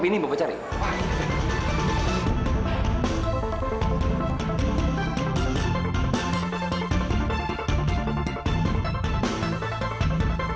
tapi i dinakut diajro